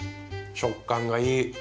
食感がいい。